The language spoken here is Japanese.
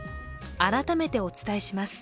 改めて、お伝えします。